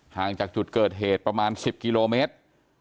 ห่างจากจุดเกิดเหตุประมาณ๑๐กิโลเมตร